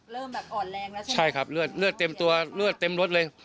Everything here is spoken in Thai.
เริ่มแบบอ่อนแรงแล้วใช่ไหมใช่ครับเลือดเลือดเต็มตัวเลือดเต็มรถเลย